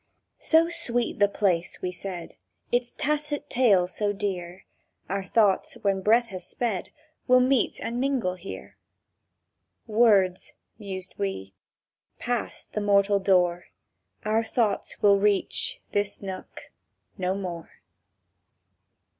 "So sweet the place," we said, "Its tacit tales so dear, Our thoughts, when breath has sped, Will meet and mingle here!" ... "Words!" mused we. "Passed the mortal door, Our thoughts will reach this nook no more."